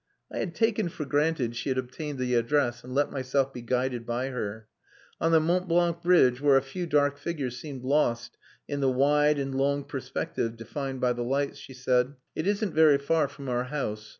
I had taken for granted she had obtained the address, and let myself be guided by her. On the Mont Blanc bridge, where a few dark figures seemed lost in the wide and long perspective defined by the lights, she said "It isn't very far from our house.